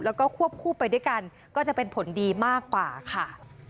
แล้วก็ควบคู่ไปด้วยกันก็จะเป็นผลดีมากกว่าค่ะ